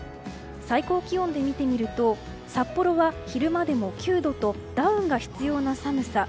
最高気温で見てみると札幌は昼間でも９度とダウンが必要な寒さ。